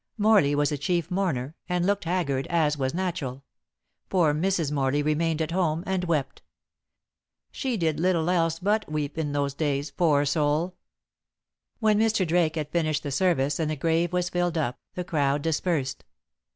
Morley was the chief mourner, and looked haggard, as was natural. Poor Mrs. Morley remained at home and wept. She did little else but weep in those days, poor soul! When Mr. Drake had finished the service, and the grave was filled up, the crowd dispersed.